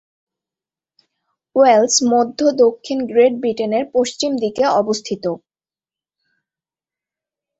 Wales মধ্য দক্ষিণ great ব্রিটেনের পশ্চিম দিকে অবস্থিত।